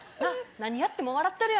何やっても笑ったるわ。